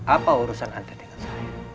apa urusan anda dengan saya